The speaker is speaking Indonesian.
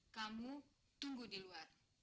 kamu tunggu di luar